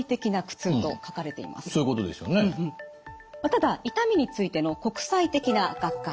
ただ痛みについての国際的な学会